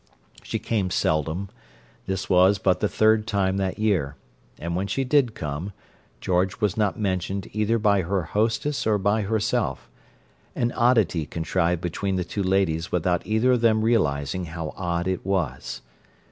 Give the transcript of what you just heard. She came seldom; this was but the third time that year, and, when she did come, George was not mentioned either by her hostess or by herself—an oddity contrived between the two ladies without either of them realizing how odd it was.